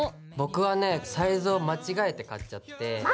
僕はねサイズを間違えて買っちゃって。